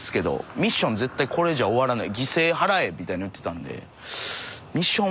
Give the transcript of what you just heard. ミッション絶対これじゃ終わらない。